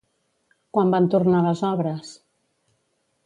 Quan van tornar les obres?